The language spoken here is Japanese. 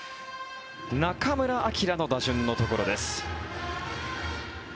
中村晃の打順のところです。